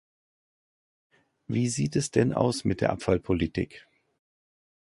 Wie sieht es denn aus mit der Abfallpolitik?